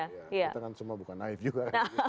kita kan semua bukan naif juga